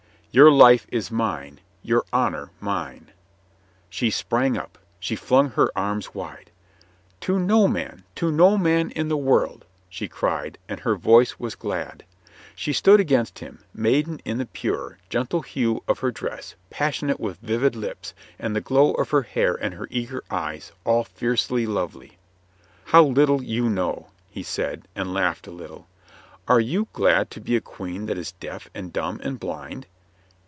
"Your life is mine, your honor mine." She sprang up. She flung her arms wide. "To no man! To no man in the world!" she cried, and her voice was glad. She stood against him, maiden in the pure, gentle hue of her dress, passionate with vivid lips, and the glow of her hair and her eager eyes, all fiercely lovely. "How little you know !" he said, and laughed a little. "Are you glad to be a queen that is deaf and dumb and blind?